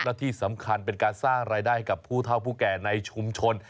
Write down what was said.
และที่สำคัญเป็นการสร้างรายได้ให้กับผู้เท่าผู้แก่ในชุมชน